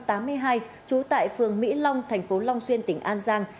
trú tại phường mỹ long thành phố long xuyên tỉnh an giang